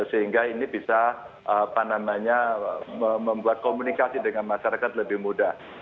sehingga ini bisa membuat komunikasi dengan masyarakat lebih mudah